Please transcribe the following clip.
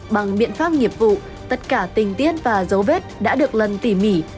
bằng biện pháp nghiệp vụ tất cả tình tiết và dấu vết đã được lần tỉ mỉ